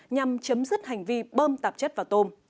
nhằm chấm dứt hành vi bơm tạp chất vào tôm